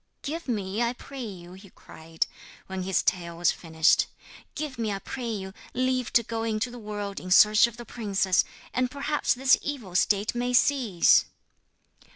'Give me, I pray you,' he cried, when his tale was finished, 'give me, I pray you, leave to go into the world in search of the princess, and perhaps this evil state may cease.'